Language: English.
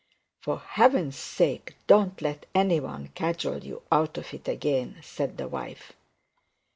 'For heaven's sake, don't let any one cajole you out of it again,' said the wife.